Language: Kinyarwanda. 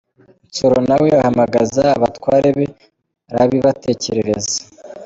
Nsoro na we ahamagaza abatware be, arabibatekerereza.